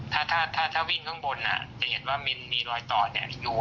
ถ้าถ้าถ้าถ้าวิ่งข้างบนอ่ะจะเห็นว่ามีรอยต่อเนี่ยอยู่